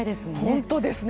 本当ですね。